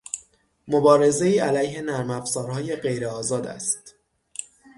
مبارزهای علیه نرمافزارهای غیر آزاد است